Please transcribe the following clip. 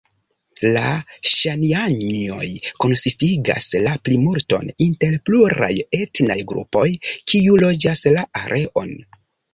La Ŝanianjoj konsistigas la plimulton inter pluraj etnaj grupoj kiu loĝas la areon.